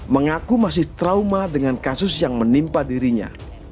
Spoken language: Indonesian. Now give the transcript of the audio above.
mengaku masih trauma dengan kasus yang menimpa dirinya